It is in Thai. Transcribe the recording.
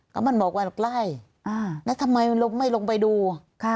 ก็มันบอกว่าใกล้อ่าแล้วทำไมมันลงไม่ลงไปดูค่ะ